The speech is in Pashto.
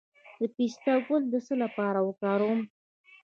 د پسته ګل د څه لپاره وکاروم؟